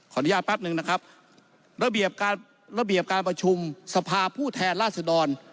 ขออนุญาตแป๊บหนึ่งนะครับระเบียบการประชุมสภาพผู้แทนรัฐสดร